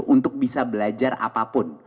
untuk bisa belajar apapun